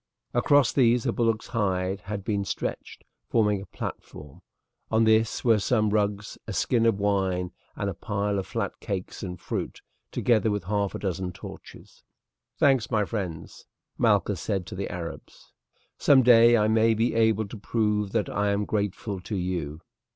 Across these a bullock's hide had been stretched, forming a platform. On this were some rugs, a skin of wine, and a pile of flat cakes and fruit, together with half a dozen torches. "Thanks, my friends!" Malchus said to the Arabs. "Some day I may be able to prove that I am grateful to you."